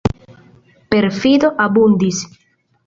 Perfido abundis.